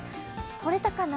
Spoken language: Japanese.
とれたかな？